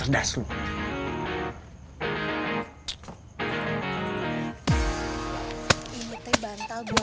kalo kami bisa keluar